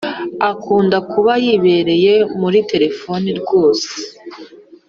akunda kuba yibereye muri telephone rwose